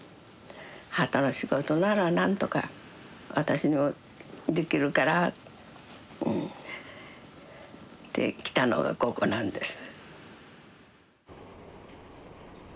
機の仕事なら何とか私にもできるから。って来たのがここなんです。